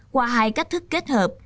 qua hai cách thức kết hợp